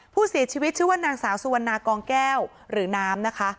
ผู้เสียชีวิตชื่อว่านางสาวสุวรรณากองแก้วหรือน้ำนะคะ